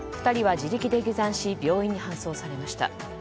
２人は自力で下山し病院に搬送されました。